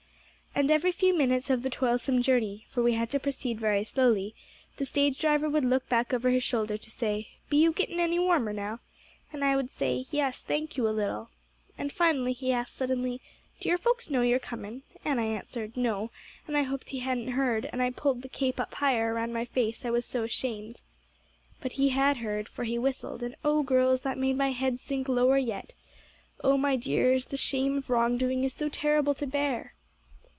"And every few minutes of the toilsome journey, for we had to proceed very slowly, the stage driver would look back over his shoulder to say, 'Be you gittin' any warmer now?' And I would say, 'Yes, thank you, a little.' "And finally he asked suddenly, 'Do your folks know you're comin'?' And I answered, 'No,' and I hoped he hadn't heard, and I pulled the cape up higher around my face, I was so ashamed. But he had heard, for he whistled; and oh, girls, that made my head sink lower yet. Oh my dears, the shame of wrong doing is so terrible to bear!